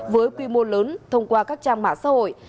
với quy mô lớn thông qua các trang mạng xã hội